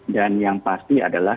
dan yang pasti adalah